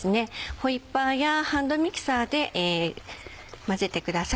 ホイッパーやハンドミキサーで混ぜてください。